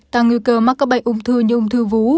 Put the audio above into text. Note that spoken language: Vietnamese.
tăng nguy cơ mắc các bệnh ung thư như ung thư vú